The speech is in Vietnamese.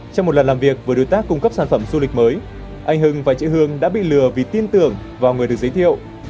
trong một lần làm việc với đối tác cung cấp sản phẩm du lịch mới anh hưng và chị hương đã bị lừa vì tin tưởng vào người được giới thiệu